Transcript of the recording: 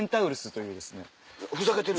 ふざけてる。